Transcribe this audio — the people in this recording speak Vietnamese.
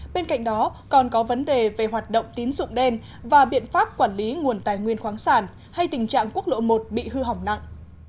bên cạnh đó còn có vấn đề về hoạt động tín dụng đen và biện pháp quản lý nguồn tài nguyên khoáng sản hay tình trạng quốc lộ một bị hư hỏng nặng